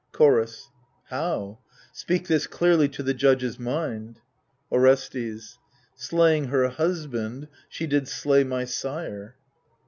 Chorus How ? speak this clearly to the judges' mind Orestes Slaying her husband, she did slay my sire.